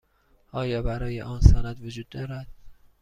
آیا برای آن سند وجود دارد؟